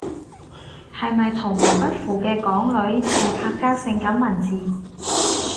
係咪圖文不符嘅港女自拍加感性文字？